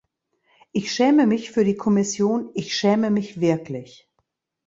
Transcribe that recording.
Ich schäme mich für die Kommission, ich schäme mich wirklich!